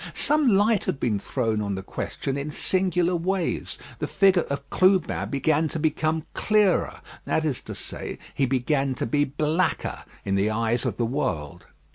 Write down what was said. Some light had been thrown on the question in singular ways. The figure of Clubin began to become clearer, that is to say, he began to be blacker in the eyes of the world.